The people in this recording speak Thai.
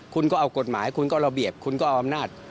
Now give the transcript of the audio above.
คุณก็เอากฎหมายคุณก็ระเบียบคุณก็เอาอำนาจ